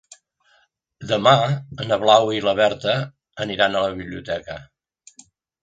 Demà na Blau i na Berta aniran a la biblioteca.